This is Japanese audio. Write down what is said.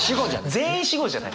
全員「しご」じゃない！